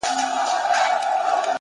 ماته را پاتې دې ښېرې’ هغه مي بيا ياديږي’